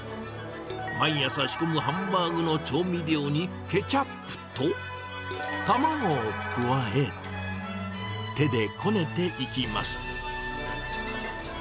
毎朝仕込むハンバーグの調味料にケチャップと、卵を加え、手でこねていきます。